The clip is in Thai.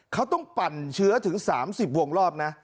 เขาต้องปั่นเชื้อถึง๓๐วงรอบนะ